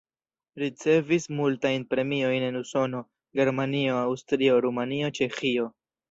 Ricevis multajn premiojn en Usono, Germanio, Aŭstrio, Rumanio, Ĉeĥio.